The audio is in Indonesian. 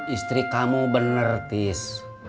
istri kamu bener tis